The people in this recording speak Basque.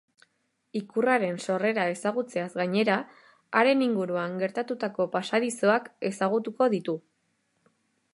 Ikurraren sorrera ezagutzeaz gainera, haren inguruan gertatutako pasadizoak ezagutuko ditu.